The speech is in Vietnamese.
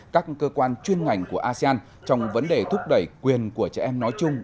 các cơ quan chuyên ngành của asean trong vấn đề thúc đẩy quyền của trẻ em nói chung